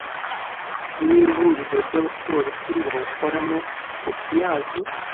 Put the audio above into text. Nihuriro Ry’abapolisi bawukoramo kopi yazo